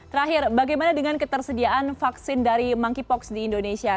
terakhir bagaimana dengan ketersediaan vaksin dari monkeypox di indonesia